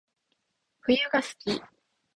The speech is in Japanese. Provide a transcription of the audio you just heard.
冬が好き